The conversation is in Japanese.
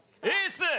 エース！